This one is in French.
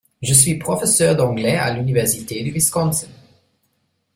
Je suis professeur d’anglais à l’université du Wisconsin.